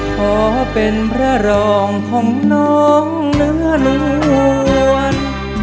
ขอเป็นพระรองของน้องเนื้อล้วน